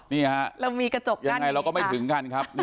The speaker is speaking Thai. นี่ฮะเรามีกระจกยังไงเราก็ไม่ถึงกันครับ